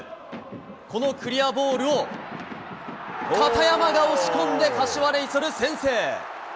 このクリアボールを、片山が押し込んで柏レイソル先制。